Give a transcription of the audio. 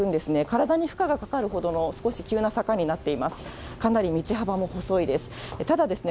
体に負荷がかかるほどの、少し急な坂になっています。